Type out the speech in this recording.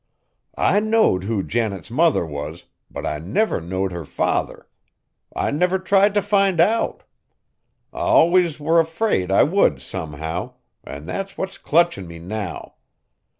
"I knowed who Janet's mother was, but I never knowed her father. I never tried t' find out. I allus war afraid I would somehow, an' that's what's clutchin' me now.